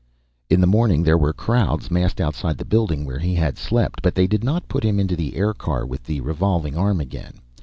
In the morning, there were crowds massed outside the building where he had slept; but they did not put him into the aircar with the revolving arm again.